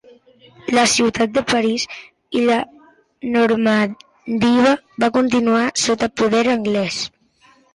La ciutat de París i la Normandia van continuar sota poder anglès.